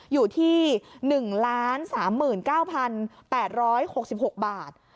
อยู่ที่๑๓๙๘๖๖บาท